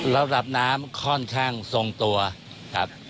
ระดับน้ำค่อนข้างทรงตัวครับ